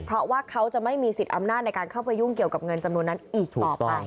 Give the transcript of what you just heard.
เพราะว่าเขาจะไม่มีสิทธิ์อำนาจในการเข้าไปยุ่งเกี่ยวกับเงินจำนวนนั้นอีกต่อไป